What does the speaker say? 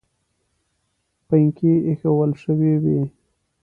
پنکې ایښوول شوې وې.